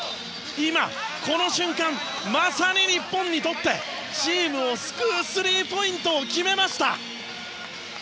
今、この瞬間まさに日本にとってチームを救うスリーポイントを決めました。